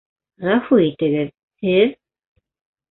- Ғәфү итегеҙ, һеҙ...